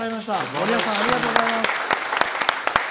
森保さん、ありがとうございます。